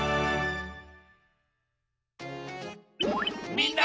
みんな！